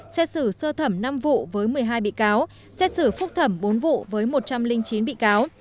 xét xử sơ thẩm năm vụ với một mươi hai bị cáo xét xử phúc thẩm bốn vụ với một trăm linh chín bị cáo